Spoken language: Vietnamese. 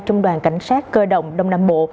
trong đoàn cảnh sát cơ động đông nam bộ